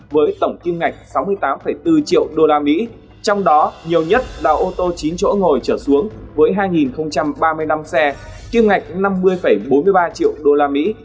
với tổng tiêm ngạch sáu mươi tám bốn triệu usd trong đó nhiều nhất là ô tô chín chỗ ngồi trở xuống với hai ba mươi năm xe tiêm ngạch năm mươi bốn mươi ba triệu usd